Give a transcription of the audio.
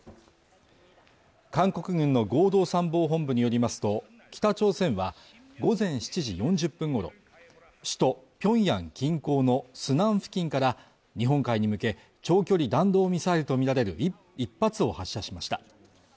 韓国軍の合同参謀本部によりますと北朝鮮は午前７時４０分ごろ首都ピョンヤン近郊のスナン付近から日本海に向け長距離弾道ミサイルとみられる１発を発射しました